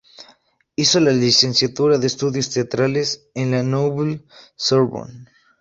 Hizo la licenciatura de Estudios Teatrales en la Nouvelle Sorbonne.